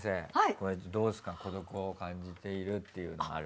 これどうですか孤独を感じているっていうのがある。